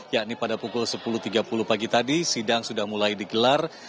yakni pada pukul sepuluh tiga puluh pagi tadi sidang sudah mulai digelar